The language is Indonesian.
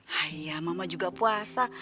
haiya mama juga puasa